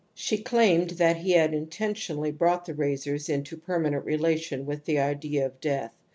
She claimed that he had intentionally brought the razors into per manent relation with the idea of death.